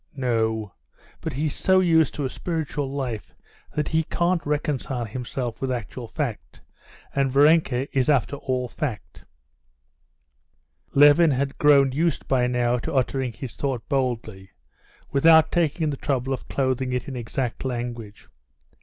"No, but he's so used to a spiritual life that he can't reconcile himself with actual fact, and Varenka is after all fact." Levin had grown used by now to uttering his thought boldly, without taking the trouble of clothing it in exact language.